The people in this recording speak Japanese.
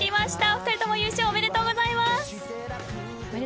お二人共優勝おめでとうございます。